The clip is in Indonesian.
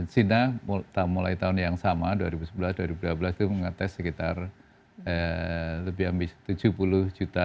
china mulai tahun yang sama dua ribu sebelas dua ribu delapan belas itu mengatasi sekitar tujuh puluh juta